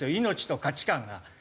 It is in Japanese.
命と価値観が。